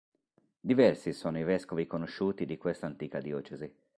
Diversi sono i vescovi conosciuti di questa antica diocesi.